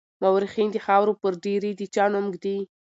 مورخين د خاورو پر ډېري د چا نوم ږدي.